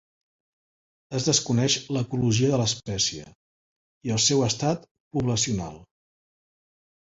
Es desconeix l'ecologia de l'espècie i el seu estat poblacional.